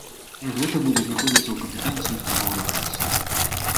Гэта будзе знаходзіцца ў кампетэнцыі ўстаноў адукацыі.